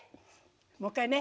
もう一回ね。